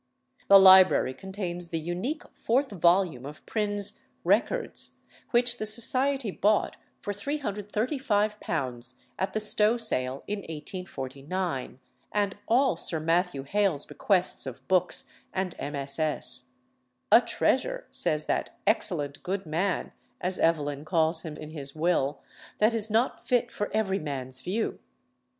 The library contains the unique fourth volume of Prynne's Records, which the society bought for £335 at the Stow sale in 1849, and all Sir Matthew Hale's bequests of books and MSS.: "a treasure," says that "excellent good man," as Evelyn calls him in his will, "that is not fit for every man's view."